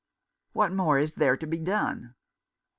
" What more is there to be done